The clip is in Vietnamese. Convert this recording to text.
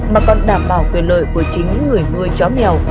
mà còn đảm bảo quyền lợi của chính những người nuôi chó mèo